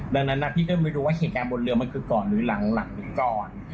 ดังนั้นนะพี่เพิ่มไปดูว่าเหตุการณ์บนเรือมันคือก่อนหรือหลังหรือก่อน